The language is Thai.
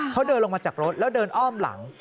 เขาเดินลงมาจากรถแล้วเดินอ้อมหลัง